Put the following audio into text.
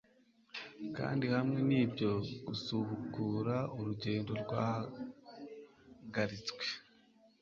Kandi hamwe nibyo gusubukura urugendo rwahagaritswe